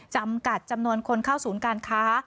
จำกัดจำนวนคนเข้าศูนย์การค้า